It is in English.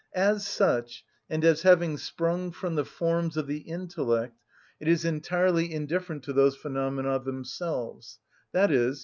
As such, and as having sprung from the forms of the intellect, it is entirely indifferent to those phenomena themselves, _i.e.